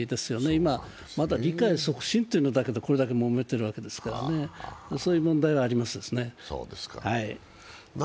今まだ理解促進というだけでこれだけもめてるわけですからね、そういう問題はありますね。